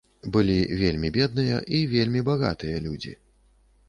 Былі вельмі бедныя і вельмі багатыя людзі.